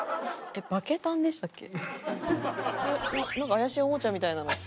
怪しいおもちゃみたいなのって。